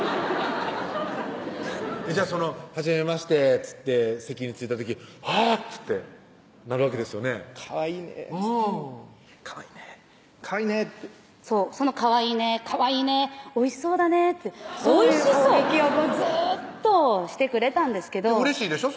その「はじめまして」っつって席に着いた時「あぁ！」っつってなるわけですよね「かわいいね」っつってうん「かわいいねかわいいね」ってそうその「かわいいねかわいいねおいしそうだね」ってそういう攻撃をずーっとしてくれたんですけどうれしいでしょ？